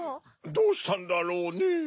どうしたんだろうね？